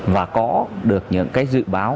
và có được những cái dự báo